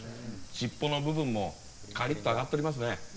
尻尾の部分もカリッと揚がってますね。